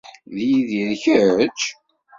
D yidir, Kečč?